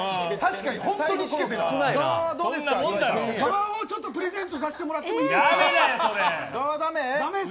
かばんプレゼントさせてもらってもいいですか？